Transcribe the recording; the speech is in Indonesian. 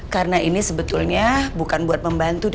karena ini sebetulnya bukan buat membantu